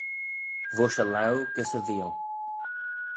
Voish y laue gys y veeal